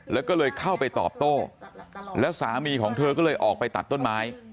แล้วก็เลยเข้าไปตอบโต้แล้วสามีของเธอก็เลยออกไปตัดต้นไม้